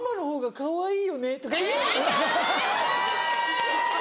かわいい。